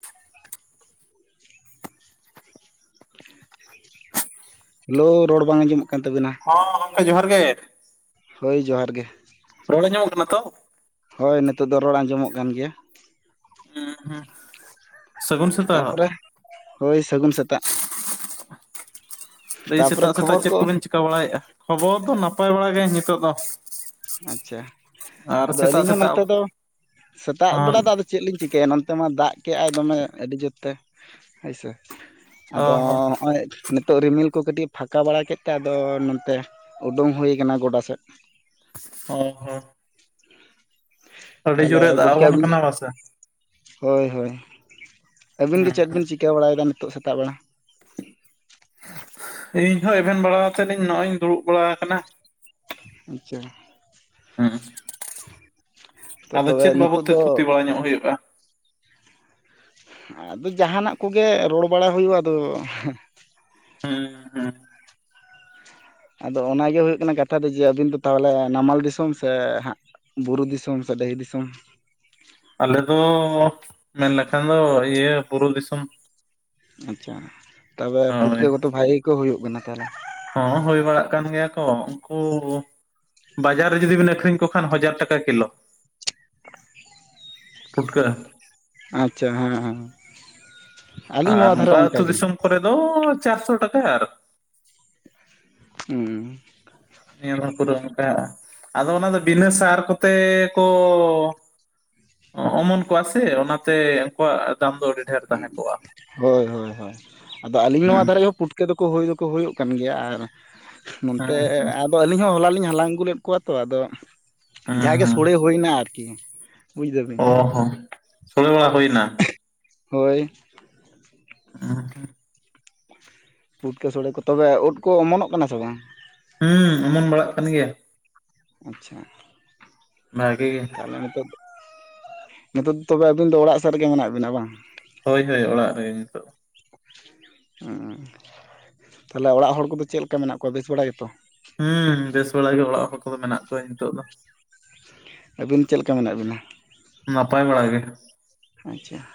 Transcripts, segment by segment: [inaudible] Hello ᱨᱚᱲ ᱵᱟᱝ ᱟᱸᱡᱚᱢᱚᱜ ᱠᱟᱱ ᱛᱟᱸᱵᱤᱱᱟ᱾ ᱦ ᱜᱚᱝᱠᱮ ᱡᱚᱦᱟᱨ ᱜᱮ᱾ ᱦᱳᱭ ᱡᱚᱦᱟᱨ ᱜᱮ᱾ ᱨᱚᱲ ᱟᱡᱚᱢᱚᱜ ᱠᱟᱱᱟ ᱱᱤᱛᱚᱜ? ᱦᱳᱭ ᱱᱤᱛᱳᱜ ᱫᱚ ᱨᱚᱲ ᱟᱸᱡᱚᱢᱚᱜ ᱠᱟᱱ ᱜᱮᱭᱟ᱾ ᱦᱮᱸ ᱦᱮᱸ᱾ ᱛᱟᱯᱚᱨᱮ ᱦᱳᱭ ᱥᱟᱹᱜᱩᱱ ᱥᱮᱛᱟᱜ᱾ ᱫᱟᱹᱭ ᱛᱟᱯᱚᱨᱮ ᱥᱮᱛᱟᱜ ᱥᱮᱛᱟᱜ ᱠᱷᱚᱵᱚᱨ ᱪᱮᱫ ᱠᱚ ᱠᱚᱵᱤᱱ ᱪᱤᱠᱟᱹ ᱵᱟᱲᱟᱭᱮᱫ-ᱟ ᱠᱷᱚᱵᱚᱨ ᱫᱚ ᱱᱟᱯᱟᱭ ᱵᱟᱲᱟ ᱜᱮᱧ ᱱᱤᱛᱚᱜ ᱫᱚ᱾ ᱟᱪᱪᱷᱟ ᱟᱨ ᱟᱫᱚ ᱥᱮᱛᱟᱜ ᱟᱹᱞᱤᱧ ᱦᱚᱸ ᱥᱮᱛᱟᱜ ᱱᱚᱛᱮ ᱫᱚ ᱥᱮᱛᱟᱜ ᱦᱚᱸ ᱵᱮᱲᱟ ᱫᱚᱼᱼ ᱪᱮᱫ ᱞᱤᱧ ᱪᱤᱠᱟᱹᱭᱟ ᱱᱚᱱᱛᱮ ᱢᱟ ᱫᱟᱜ ᱠᱮᱜ-ᱟᱭ ᱫᱚᱢᱮ ᱟᱹᱰᱤ ᱡᱳᱨᱛᱮ ᱦᱳᱭ ᱥᱮ ᱾ ᱚ ᱟᱫᱚ ᱦᱚᱸ ᱦᱚᱸᱜ-ᱚᱭ ᱱᱤᱛᱳᱜ ᱨᱤᱢᱤᱞ ᱠᱩ ᱠᱟᱹᱴᱤᱡ ᱯᱷᱟᱸᱠᱟ ᱵᱟᱲᱟ ᱠᱮᱫ ᱛᱮ ᱟᱫᱚ ᱱᱚᱛᱮ ᱩᱰᱩᱝ ᱦᱩᱭ ᱠᱟᱱᱟ ᱜᱚᱰᱟ ᱥᱮᱫ᱾ ᱚ ᱦᱚᱸ᱾ ᱟᱹᱰᱤ ᱛᱟᱦᱚᱞᱮ ᱡᱳᱨᱮ ᱫᱟᱜ ᱜᱚᱝᱠᱮ ᱟᱵᱚᱱ ᱟᱵᱤᱱ ᱜᱮ᱾ ᱠᱟᱱᱟ ᱵᱟᱥᱮ ᱦᱳᱭ ᱦᱳᱭ ᱟᱹᱵᱤᱱ ᱜᱮ ᱪᱮᱫ ᱵᱤᱱ ᱦᱩᱸ ᱪᱤᱠᱟᱹ ᱵᱟᱲᱟᱭᱮᱫᱟ ᱱᱤᱛᱳᱜ ᱥᱮᱛᱟᱜ ᱵᱮᱲᱟ? ᱤᱧᱦᱚᱸ ᱮᱵᱷᱮᱱ ᱵᱟᱲᱟ ᱠᱟᱛᱮᱫ ᱤᱧ ᱱᱚᱜ-ᱚᱭ ᱤᱧ ᱫᱩᱲᱩᱵ ᱵᱟᱲᱟ ᱟᱠᱟᱱᱟ ᱾ ᱟᱪᱪᱷᱟ, ᱦᱩᱸ, ᱛᱚ ᱟᱫᱚ ᱛᱚᱵᱮ ᱪᱮᱫ ᱵᱟᱵᱚᱛ ᱱᱤᱛᱚᱜ ᱛᱮ ᱫᱚ ᱛᱷᱩᱛᱤ ᱵᱟᱲᱟ ᱧᱚᱜ ᱦᱳᱭᱳᱜᱼᱟ? ᱟᱫᱚ ᱡᱟᱦᱟᱱᱟᱜ ᱠᱚ ᱜᱮ ᱨᱚᱲ ᱵᱟᱲᱟ ᱦᱩᱭᱩᱜ-ᱟ, ᱟᱫᱚ ᱦᱮᱸ ᱦᱮᱸ, ᱟᱫᱚ ᱚᱱᱟ ᱜᱮ ᱦᱳᱭᱳᱜ ᱠᱟᱱᱟ ᱠᱟᱛᱷᱟ ᱫᱚ ᱡᱮ ᱟᱹᱵᱤᱱ ᱫᱚ ᱛᱟᱦᱚᱞᱮ ᱱᱟᱢᱟᱞ ᱫᱤᱥᱚᱢ ᱥᱮ ᱦᱟᱸᱜ? ᱵᱩᱨᱩ ᱫᱤᱥᱚᱢ ᱥᱮ ᱰᱟᱹᱦᱤ ᱫᱤᱥᱚᱢ? ᱟᱞᱮ ᱫᱚ ᱢᱮᱱ ᱞᱮᱠᱷᱟᱱ ᱫᱚ ᱤᱭᱟᱹ ᱵᱩᱨᱩ ᱫᱤᱥᱚᱢ ᱾ ᱛᱚᱵᱮ ᱦᱳᱭ ᱯᱷᱩᱴᱠᱟᱹ ᱠᱚ ᱫᱚ ᱵᱷᱟᱜᱮ ᱜᱮ ᱠᱚ ᱦᱳᱭᱳᱜ ᱠᱟᱱᱟ ᱛᱟᱦᱚᱞᱮ ᱦᱚᱸ ᱦᱳᱭ ᱵᱟᱲᱟᱜ ᱠᱟᱱ ᱜᱮᱭᱟ ᱠᱚ, ᱩᱱᱠᱩ ᱵᱟᱡᱟᱨ ᱨᱮ ᱡᱩᱫᱤ ᱵᱮᱱ ᱟᱹᱠᱷᱨᱤᱧ ᱠᱚ ᱠᱷᱟᱱ ᱦᱟᱡᱟᱨ ᱴᱟᱠᱟ ᱠᱤᱞᱳ ᱾ ᱯᱷᱩᱴᱠᱟᱹ, ᱟᱪᱪᱷᱟ ᱦᱮᱸ ᱦᱮᱸ, ᱟᱹᱞᱤᱧ ᱟᱨ ᱱᱚᱣᱟ ᱫᱷᱟᱨᱮ ᱱᱚᱝᱠᱟ ᱚᱝᱠᱟ ᱟᱹᱛᱩ ᱜᱮ, ᱫᱤᱥᱚᱢ ᱠᱚᱨᱮ ᱫᱚ ᱪᱟᱨᱥᱚ ᱴᱟᱠᱟ ᱟᱨ, ᱦᱩᱸ, ᱱᱤᱭᱟᱹ ᱦᱚᱲ ᱠᱚᱫᱚ ᱚᱝᱠᱟ ᱟᱫᱚ ᱚᱱᱟ ᱫᱚ ᱵᱤᱱᱟᱹ ᱥᱟᱨ ᱠᱚᱛᱮ ᱠᱚ, ᱚᱸ ᱚᱢᱚᱱ ᱠᱚᱣᱟ ᱥᱮ ᱚᱱᱟᱛᱮ ᱩᱱᱠᱩᱣᱟᱜ ᱫᱟᱢ ᱫᱚ ᱟᱹᱰᱤ, ᱰᱷᱮᱨ ᱩᱸ ᱛᱟᱦᱮᱸ ᱠᱚᱜᱼᱟ ᱦᱳᱭ ᱦᱳᱭ ᱦᱳᱭ, ᱟᱫᱚ ᱟᱹᱞᱤᱧ ᱱᱚᱣᱟ ᱦᱮᱸ ᱫᱷᱟᱨᱮ ᱯᱩᱴ ᱯᱩᱴᱠᱟᱹ ᱦᱳᱭ ᱫᱚᱠᱚ ᱦᱳᱭᱳᱜ ᱠᱟᱱ ᱜᱮᱭᱟ ᱟᱨ ᱦᱮᱸ ᱱᱚᱱᱛᱮ ᱦᱮᱸ ᱟᱫ, ᱛᱚ ᱟᱹᱞᱤᱧ ᱦᱚᱸ ᱦᱚᱞᱟ ᱞᱤᱧ ᱦᱟᱞᱟᱝ ᱟᱹᱜᱩ ᱞᱮᱫ ᱠᱚᱣᱟ ᱛᱚ ᱟᱫᱚ ᱦᱮᱸ ᱡᱟᱦᱟᱸᱜᱮ ᱦᱮᱸ ᱥᱳᱲᱮ ᱦᱳᱭᱱᱟ ᱟᱨᱠᱤ, ᱵᱩᱡ ᱫᱟᱵᱤᱱ ᱚ ᱦᱚᱸ ᱥᱳᱲᱮ ᱵᱟᱲᱟ ᱦᱳᱭᱱᱟ ᱾ ᱦᱳᱭ, [inaudible] ᱯᱩᱴᱠᱟᱹ ᱥᱳᱲᱮ ᱠᱚ, ᱛᱚᱵᱮ ᱩᱫ ᱠᱚ ᱚᱢᱚᱱᱚᱜ ᱠᱟᱱᱟ ᱥᱮ ᱵᱟᱝ? ᱦᱩᱸ, ᱚᱢᱚᱱ ᱵᱟᱲᱟᱜ ᱠᱟᱱ ᱜᱮᱭᱟ, ᱟᱪᱪᱷᱟ, ᱵᱦᱟᱜᱮ ᱜᱮ, ᱛᱟᱦᱚᱞᱮ ᱱᱤᱛᱚᱜ ᱱᱤᱛᱚᱜ ᱫᱚ ᱛᱚᱵᱮ ᱟᱹᱵᱤᱱ ᱫᱚ ᱚᱲᱟᱜ ᱥᱮᱜ ᱨᱮ ᱜᱮ ᱢᱮᱱᱟᱜ ᱵᱤᱱᱟ ᱵᱟᱝ? ᱦᱳᱭ ᱦᱳᱭ ᱚᱲᱟᱜ ᱨᱮ ᱱᱤᱛᱳᱜ ᱾ ᱦᱚᱸ ᱛᱟᱦᱚᱞᱮ ᱚᱲᱟᱜ ᱦᱚᱲ ᱠᱚ ᱫᱚ ᱪᱮᱫ ᱞᱮᱠᱟ ᱢᱮᱱᱟᱜ ᱠᱚᱣᱟ? ᱵᱮᱥ ᱵᱟᱲᱟ ᱜᱮ ᱛᱚ ᱦᱩᱸ ᱵᱮᱥ ᱵᱟᱲᱟ ᱜᱮ ᱚᱲᱟᱜ ᱦᱚᱲ ᱠᱚ ᱫᱚ ᱢᱮᱱᱟᱜ ᱠᱚᱣᱟ ᱱᱤᱛᱳᱜ ᱫᱚ ᱟᱹᱵᱤᱱ ᱪᱮᱫ ᱞᱮᱠᱟ ᱢᱮᱱᱟᱜ ᱵᱤᱱᱟ? ᱱᱟᱯᱟᱭ ᱵᱟᱲᱟ ᱜᱮ, ᱟᱪᱷᱟ,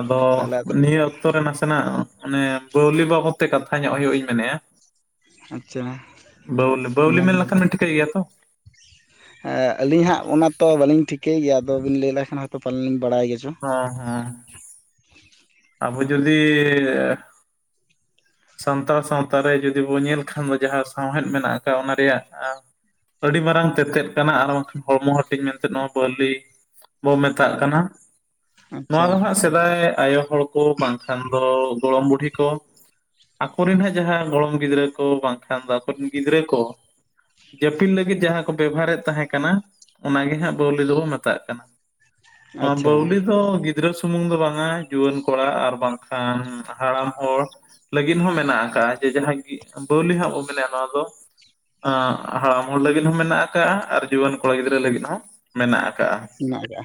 ᱟᱫᱚ ᱛᱟᱦᱚᱞᱮ ᱟᱫᱚ ᱱᱤᱭᱟᱹ ᱚᱠᱛᱚ ᱨᱮ ᱱᱟᱥᱮᱱᱟᱜ ᱚᱱᱮ ᱯᱟᱹᱣᱞᱤ ᱵᱟᱵᱚᱜ ᱛᱮ ᱠᱟᱛᱷᱟ ᱧᱚᱜ ᱦᱳᱭᱳᱜ ᱤᱧ ᱢᱮᱱᱮᱜᱼᱟ ᱾ ᱟᱪᱪᱷᱟ ᱵᱟᱹᱣᱞ ᱵᱟᱹᱣᱞᱤ ᱢᱮᱱ ᱢᱮᱱᱫᱟᱹᱧ ᱞᱮᱠᱷᱟᱱ ᱴᱷᱤᱠᱟᱹᱭ ᱜᱮᱭᱟ ᱛᱚ? ᱦᱮ ᱟᱹᱞᱤᱧ ᱦᱟᱸᱜ ᱚᱱᱟ ᱛᱚ ᱵᱟᱹᱞᱤᱧ ᱴᱷᱤᱠᱟᱹᱭ ᱜᱮᱭᱟ ᱟᱫᱚ ᱵᱤᱱ ᱞᱟᱹᱭ ᱞᱮᱠᱷᱟᱱ ᱦᱚᱭ ᱛᱚ ᱯᱟᱞᱮᱱ ᱞᱤᱧ ᱵᱟᱲᱟᱭ ᱜᱮ ᱪᱚ, ᱦᱚᱸ ᱦᱚᱸ, ᱟᱵᱚ ᱡᱚᱫᱤ ᱥᱟᱱᱛᱟᱲ ᱥᱟᱶᱛᱟ ᱨᱮ ᱡᱩᱫᱤ ᱵᱚᱱ ᱧᱮᱞ ᱠᱷᱟᱱ ᱫᱚ ᱡᱟᱦᱟᱸ ᱥᱟᱶᱦᱮᱫ ᱢᱮᱱᱟᱜ ᱟᱠᱟᱜ ᱚᱱᱟ ᱨᱮᱭᱟᱜ ᱟ ᱾ ᱟᱹᱰᱤ ᱢᱟᱨᱟᱝ ᱛᱮᱛᱮᱫ ᱠᱟᱱᱟ ᱟᱨ ᱵᱟᱝ ᱠᱷᱟᱱ ᱦᱚᱲᱢᱚ ᱦᱟᱹᱴᱤᱧ ᱢᱮᱱᱛᱮ ᱱᱚᱣᱟ ᱵᱟᱹᱣᱞᱤ, ᱵᱚ ᱢᱮᱛᱟᱜ ᱠᱟᱱᱟ ᱾ ᱟᱪᱪᱷᱟ ᱱᱚᱣᱟ ᱫᱚ ᱦᱟᱸᱜ ᱥᱮᱫᱟᱭ ᱟᱭᱳ ᱦᱚᱲ ᱠᱚ ᱵᱟᱝ, ᱠᱷᱟᱱ ᱫᱚ ᱜᱚᱲᱚᱢ ᱵᱩᱰᱦᱤ ᱠᱚ, ᱟᱠᱚᱨᱮᱱ ᱦᱟᱸᱜ ᱡᱟᱦᱟᱸ ᱜᱚᱲᱚᱢ ᱜᱤᱫᱽᱨᱟᱹ ᱠᱚ ᱵᱟᱝ ᱠᱷᱟᱱ ᱫᱚ ᱟᱠᱚᱨᱮᱱ ᱜᱤᱫᱽᱨᱟᱹ ᱠᱚ ᱡᱟᱹᱯᱤᱫ ᱞᱟᱹᱜᱤᱫ ᱡᱟᱦᱟᱸ ᱠᱚ ᱵᱮᱵᱷᱟᱨᱮᱫ ᱛᱟᱦᱮᱸ ᱠᱟᱱᱟ ᱚᱱᱟᱜᱮ ᱦᱟᱸᱜ ᱵᱟᱹᱣᱞᱤ ᱫᱚᱵᱚ ᱢᱮᱛᱟᱜ ᱠᱟᱱᱟ᱾ ᱚᱸ ᱟᱪᱪᱷᱟ ᱵᱟᱹᱣᱞᱤ ᱫᱚ ᱜᱤ ᱜᱤᱫᱽᱨᱟᱹ ᱥᱩᱢᱩᱝ ᱫᱚ ᱵᱟᱝ-ᱟ ᱡᱩᱣᱟᱹᱱ ᱠᱚᱲᱟ ᱟᱨ ᱵᱟᱝ ᱠᱷᱟᱱ ᱦᱟᱲᱟᱢ ᱦᱚᱲ ᱞᱟᱹᱜᱤᱫ ᱦᱚᱸ ᱢᱮᱱᱟᱜ ᱟᱠᱟᱜ ᱡᱮ ᱡᱟᱦᱟᱸᱭ ᱜᱤ ᱵᱟᱹᱣᱞᱤ ᱦᱟᱸᱜ ᱵᱚᱱ ᱢᱮᱱᱮ-ᱟ ᱱᱚᱣᱟ ᱫᱚ ᱟᱸ ᱦᱟᱲᱟᱢ ᱦᱚᱲ ᱞᱟᱹᱜᱤᱫ ᱦᱚᱸ ᱢᱮᱱᱟᱜ ᱟᱠᱟᱜ ᱟᱨ ᱡᱩᱣᱟᱹᱱ ᱠᱚᱲᱟ ᱜᱤᱫᱽᱨᱟᱹ ᱞᱟᱹᱜᱤᱫ ᱦᱚᱸ ᱢᱮᱱᱟᱜ ᱠᱟᱜ-ᱟ ᱢᱮᱱᱟᱜ ᱟᱠᱟᱜᱼᱟ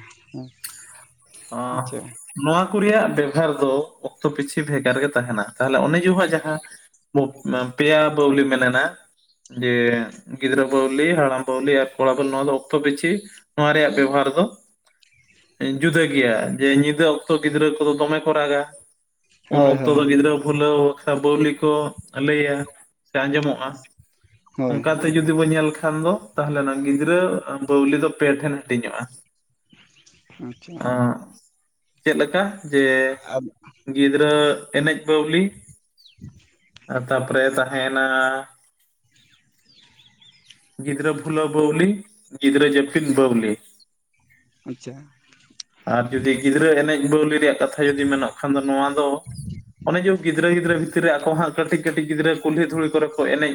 ᱾ ᱚᱸ ᱟᱪᱪᱷᱟ ᱱᱚᱣᱟ ᱠᱚ ᱨᱮᱭᱟᱜ ᱵᱮᱵᱷᱟᱨ ᱫᱚ ᱚᱠᱛᱚ ᱯᱤᱪᱷᱤ ᱵᱷᱮᱜᱟᱨ ᱜᱮ ᱛᱟᱦᱮᱱᱟ, ᱛᱟᱦᱚᱞᱮ ᱚᱱᱮᱠ [inaudible] ᱡᱟᱦᱟᱸ ᱵᱚ ᱯᱮᱭᱟ ᱵᱟᱹᱣᱞᱤ ᱢᱮᱱᱮᱱᱟ ᱡᱮ ᱜᱤᱫᱽᱨᱟᱹ ᱵᱟᱹᱣᱞᱤ ᱦᱟᱲᱟᱢ ᱯᱟᱹᱣᱞᱤ ᱟᱨ ᱠᱚᱲᱟ ᱵᱚᱞ ᱱᱚᱣᱟ ᱫᱚ ᱚᱠᱛᱚ ᱯᱤᱪᱷᱤ ᱱᱚᱣᱟ ᱨᱮᱭᱟᱜ ᱵᱮᱵᱚᱦᱟᱨ ᱫᱚ ᱡᱩᱫᱟᱹ ᱜᱮᱭᱟ ᱡᱮ ᱧᱤᱫᱟᱹ ᱚᱠᱛᱚ ᱜᱤᱫᱽᱨᱟᱹ ᱠᱚᱫᱚ ᱫᱚᱢᱮ ᱠᱚ ᱨᱟᱜᱟ ᱩᱱ ᱦᱳᱭ ᱚᱠᱛᱚ ᱦᱳᱭ ᱫᱚ ᱜᱤᱫᱽᱨᱟᱹ ᱵᱷᱩᱞᱟᱹᱣ ᱠᱷᱟ ᱵᱟᱹᱣᱞᱤ ᱠᱚ ᱞᱟᱹᱭᱟ ᱥᱮ ᱟᱸᱡᱚᱢᱚᱜ-ᱟ᱾ ᱦᱳᱭ ᱚᱱᱠᱟᱛᱮ ᱡᱩᱫᱤ ᱵᱚᱱ ᱧᱮᱞ ᱠᱷᱟᱱ ᱫᱚ ᱛᱟᱦᱚᱞᱮ ᱚᱱᱟ ᱜᱤᱫᱽᱨᱟᱹ ᱵᱟᱹᱣᱞᱤ ᱫᱚ ᱯᱮ ᱴᱷᱮᱱ ᱦᱟᱹᱴᱤ, ᱧᱚᱜ-ᱟ᱾ ᱟᱪᱪᱷᱟ᱾ ᱪᱮᱫ ᱞᱮᱠᱟ ᱡᱮ ᱜᱤᱫᱽᱨᱟᱹ ᱮᱱᱮᱡ ᱵᱟᱹᱣᱞᱤ [unintelligible] ᱟᱨ ᱛᱟᱯᱚᱨᱮ ᱛᱟᱦᱮᱱᱟ ᱜᱤᱫᱽᱨᱟᱹ ᱵᱷᱩᱞᱟᱳ ᱵᱟᱣᱞᱤ ᱜᱤᱫᱨᱟᱹ ᱡᱟᱯᱤᱫ ᱵᱟᱣᱞᱤ ᱾ ᱟᱪᱪᱷᱟ ᱾ ᱟᱨ ᱡᱩᱫᱤ ᱜᱤᱫᱽᱨᱟᱹ ᱮᱱᱮᱡ ᱵᱟᱹᱣᱞᱤ ᱨᱮᱭᱟᱜ ᱠᱟᱛᱷᱟ ᱡᱩᱫᱤ ᱢᱮᱱᱟᱜ ᱠᱷᱟᱱ ᱫᱚ ᱱᱚᱣᱟ ᱫᱚ ᱚᱱᱮ ᱡᱮ ᱜᱤᱫᱽᱨᱟᱹ ᱜᱤᱫᱽᱨᱟᱹ ᱵᱷᱤᱛᱤᱨ ᱨᱮ ᱟᱠᱚ ᱦᱟᱸ ᱠᱟᱹᱴᱤᱡ ᱠᱟᱴᱤᱡ ᱜᱤᱫᱽᱨᱟᱹ ᱠᱩᱞᱦᱤ ᱫᱷᱩᱲᱤ ᱠᱚᱨᱮ ᱠᱚ ᱮᱱᱮᱡ